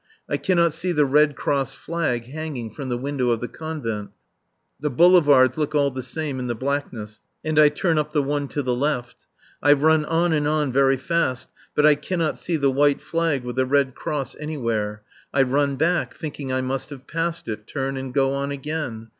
I cannot see the Red Cross flag hanging from the window of the Convent. The boulevards look all the same in the blackness, and I turn up the one to the left. I run on and on very fast, but I cannot see the white flag with the red cross anywhere; I run back, thinking I must have passed it, turn and go on again.